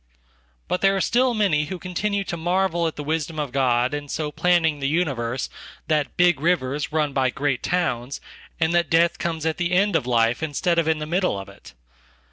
But there are still many who continue to marvel at the wisdom ofGod in so planning the universe that big rivers run by great towns, and that death comes at the end of life instead of in the middle ofit.